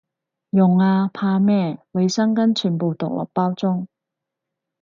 用啊，怕咩，衛生巾全部獨立包裝